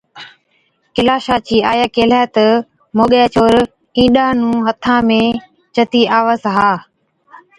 ڪيلاشا چِي آئِي ڪيهلَي تہ، ’موڳَي ڇوهر، اِينڏان نُون هٿا چتِي آوَس ها‘۔